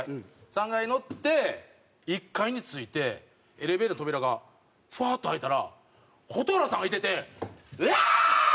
３階乗って１階に着いてエレベーターの扉がファーと開いたら蛍原さんがいててウワァーーッ！！